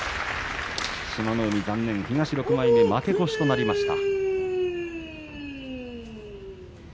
志摩ノ海、残念、東６枚目負け越しとなりました。